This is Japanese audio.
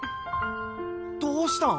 どうしたん？